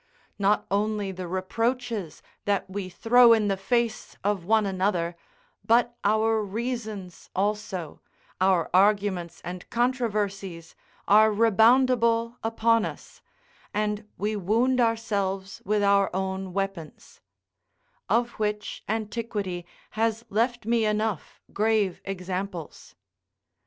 Not only the reproaches that we throw in the face of one another, but our reasons also, our arguments and controversies, are reboundable upon us, and we wound ourselves with our own weapons: of which antiquity has left me enough grave examples.